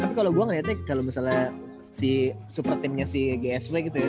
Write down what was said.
tapi kalau gue ngeliatnya kalau misalnya si super teamnya si gsw gitu ya